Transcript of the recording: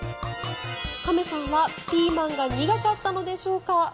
亀さんはピーマンが苦かったのでしょうか。